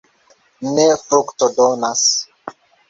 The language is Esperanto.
ne fruktodonas.